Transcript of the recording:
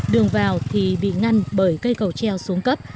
đường vào thì bị ngăn bởi cây cầu treo xuống cấp